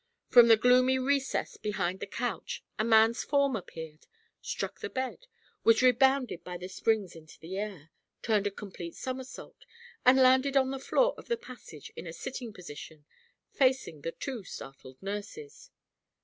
From the gloomy recess behind the couch a man's form appeared, struck the bed, was rebounded by the springs into the air, turned a complete somersault and landed on the floor of the passage in a sitting position, facing the two startled nurses.